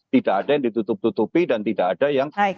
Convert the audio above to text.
tidak ada yang ditutup tutupi dan tidak ada yang